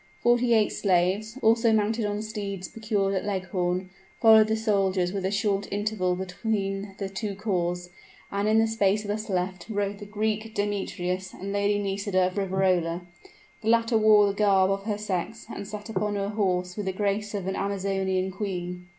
Forty eight slaves, also mounted on steeds procured at Leghorn, followed the soldiers with a short interval between the two corps, and in the space thus left, rode the Greek Demetrius and Lady Nisida of Riverola. The latter wore the garb of her sex, and sat upon her horse with the grace of an amazonian queen.